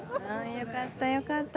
よかったよかった。